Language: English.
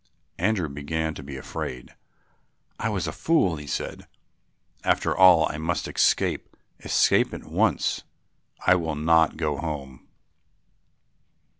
Andrew began to be afraid. "I was a fool," he said, "after all. I must escape, escape at once; I will not go home."